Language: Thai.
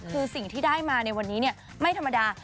คือสิ่งที่ได้มาในวันนี้ไม่ธรรมดา